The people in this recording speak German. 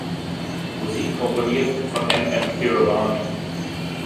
Musik komponiert von M. M. Keeravani.